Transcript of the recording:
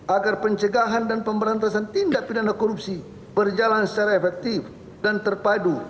agar pencegahan dan pemberantasan tindak pidana korupsi berjalan secara efektif dan terpadu